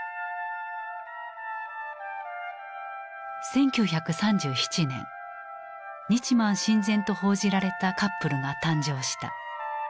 １９３７年日満親善と報じられたカップルが誕生した。